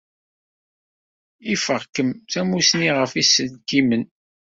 Ifeɣ-kem tamussni ɣef yiselkimen.